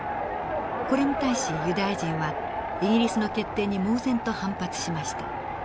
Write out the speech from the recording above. これに対しユダヤ人はイギリスの決定に猛然と反発しました。